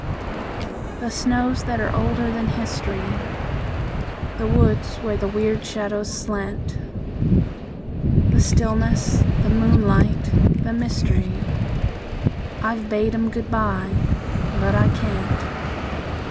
The snows that are older than history, The woods where the weird shadows slant; The stillness, the moonlight, the mystery, I've bade 'em good by but I can't.